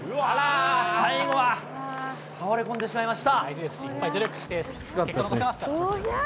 最後は倒れ込んでしまいました。